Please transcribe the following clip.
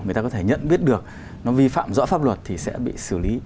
người ta có thể nhận biết được nó vi phạm rõ pháp luật thì sẽ bị xử lý